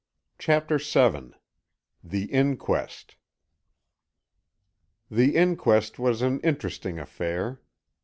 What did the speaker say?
CHAPTER VII THE INQUEST The inquest was an interesting affair.